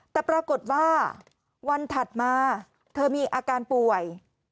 แต่ปรากฏว่าวันถัดมาเธอมีอาการป่วย